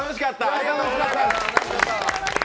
ありがとうございます。